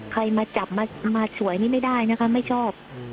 ใครมาจับมาฉวยนี่ไม่ได้นะคะไม่ชอบ